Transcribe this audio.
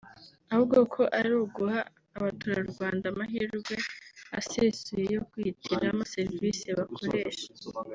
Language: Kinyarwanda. ahubwo ko ari uguha abaturarwanda amahirwe asesuye yo kwihitiramo serivisi bakoresha